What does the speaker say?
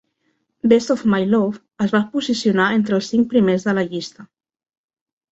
"Best of My Love" es va posicionar entre els cinc primers de la llista.